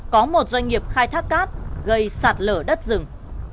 có một doanh nghiệp khai thác cát gây sạt lở đất rừng